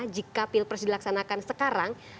jika pilpres dilaksanakan sekarang